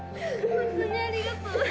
本当にありがとう。